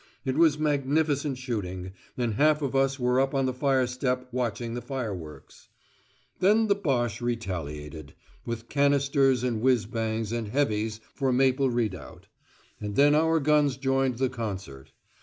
It was magnificent shooting, and half of us were up on the fire step watching the fireworks. Then the Boche retaliated, with canisters and whizz bangs, and "heavies" for Maple Redoubt; and then our guns joined the concert.